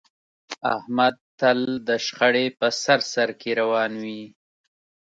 احمد تل د شخړې په سر سرکې روان وي.